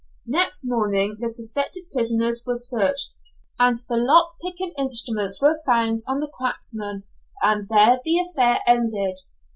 Next morning the suspected prisoners were searched, and the lock picking instruments were found on the "cracksman," and there the affair ended.